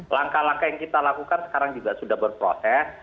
langkah langkah yang kita lakukan sekarang juga sudah berproses